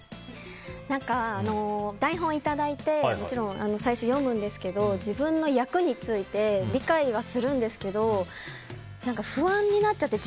台本をいただいてもちろん最初読むんですけど自分の役について理解はするんですけど不安になっちゃって。